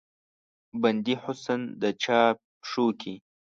بندي حسن د چا پښو کې